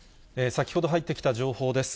先ほど入ってきた情報です。